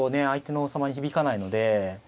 相手の王様に響かないので。